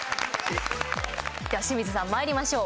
では清水さんまいりましょう。